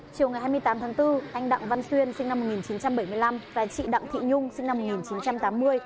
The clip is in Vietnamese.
chiều ngày hai mươi tám tháng bốn anh đặng văn xuyên sinh năm một nghìn chín trăm bảy mươi năm và chị đặng thị nhung sinh năm một nghìn chín trăm tám mươi